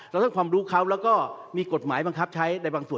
เราต้องความรู้เขาแล้วก็มีกฎหมายบังคับใช้ในบางส่วน